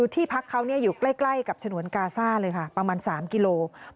ที่พักเขาอยู่ใกล้กับฉนวนกาซ่าเลยค่ะประมาณ๓กิโลกรัม